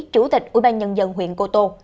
chủ tịch ủy ban nhân dân huyện cô tô